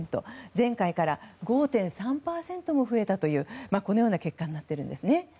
前回から５．３％も増えたという結果になっているんですね。